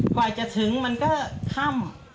ก่อนที่จะถึงมันก็ค่ำ